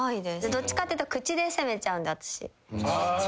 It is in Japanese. どっちかって言うと口で責めちゃうんで私。